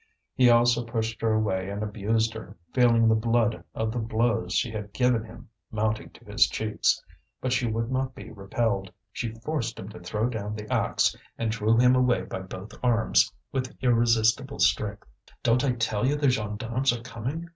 He also pushed her away and abused her, feeling the blood of the blows she had given him mounting to his cheeks. But she would not be repelled; she forced him to throw down the axe, and drew him away by both arms, with irresistible strength. "Don't I tell you the gendarmes are coming!